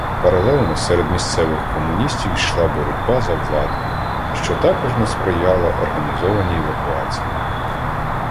Паралельно серед місцевих комуністів йшла боротьба за владу, що також не сприяла організованій евакуації.